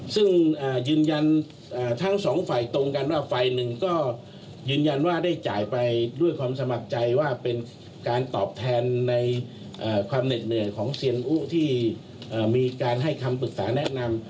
ซึ่งยืนยันทั้งสองฝ่ายตรงกันว่าฝ่ายหนึ่งก็ยืนยันว่าได้จ่ายไปด้วยความสมัครใจว่าเป็นการตอบแทนในความเหน็ดเหนื่อยของเซียนอุที่มีการให้คำปรึกษาแนะนำ